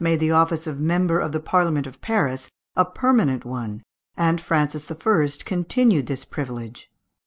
made the office of member of the Parliament of Paris a permanent one, and Francis I. continued this privilege.